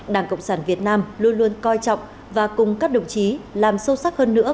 đảng cộng sản việt nam luôn luôn coi trọng và cùng các đồng chí làm sâu sắc hơn nữa